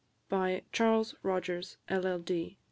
BY CHARLES ROGERS, LL.D.